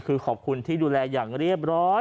คือขอบคุณที่ดูแลอย่างเรียบร้อย